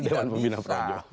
ketua dewan pembina prajurit